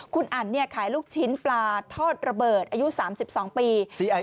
คุณอันขายลูกชิ้นปลาทอดระเบิดอายุ๓๒ปี